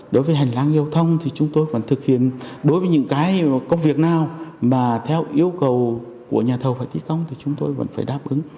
đối với hành lang giao thông thì chúng tôi vẫn thực hiện đối với những cái công việc nào mà theo yêu cầu của nhà thầu phải thi công thì chúng tôi vẫn phải đáp ứng